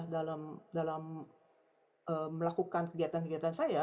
dalam melakukan kegiatan kegiatan saya